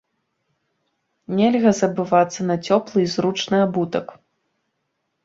Нельга забывацца на цёплы і зручны абутак.